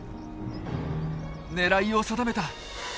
狙いを定めた！